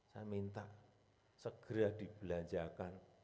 saya minta segera dibelanjakan